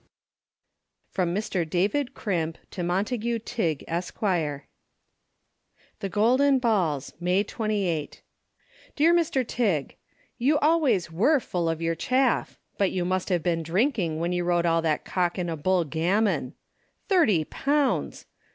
From Mr. David Crimp to Montague Tigg, Esq. The Golden Balls, May 28. DEAR MR. TIGG,—You always were full of your chaff, but you must have been drinking when you wrote all that cock and a bull gammon. Thirty pounds!